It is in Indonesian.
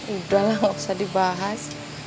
udah lah gak usah dibahas